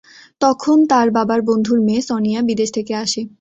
তখন তার বাবার বন্ধুর মেয়ে সোনিয়া বিদেশ থেকে আসে।